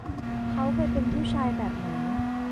เขาเคยเป็นผู้ชายแบบไหน